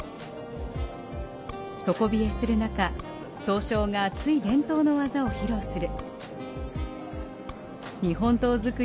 底冷えする中、刀匠が熱い伝統の技を披露する。